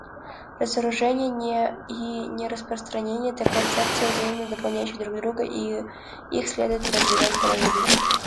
Разоружение и нераспространение — это концепции, взаимно дополняющие друг друга и их следует продвигать параллельно.